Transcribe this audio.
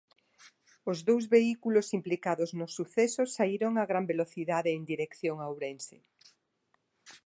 Os dous vehículos implicados no suceso saíron a gran velocidade en dirección a Ourense.